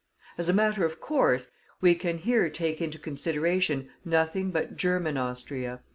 As a matter of course, we can here take into consideration nothing but German Austria.